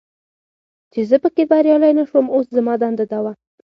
چې زه پکې بریالی نه شوم، اوس زما دنده دا وه.